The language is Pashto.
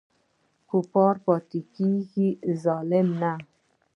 کفر پاتی کیږي ظلم نه